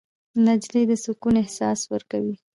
نجلۍ د سکون احساس ورکوي.